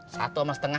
satu sama setengah